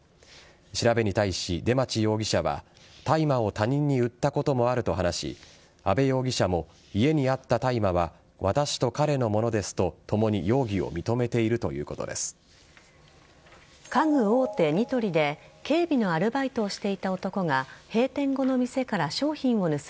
調べに対し、出町容疑者は大麻を他人に売ったこともあると話し安部容疑者も家にあった大麻は私と彼のものですと共に容疑を認めているということです。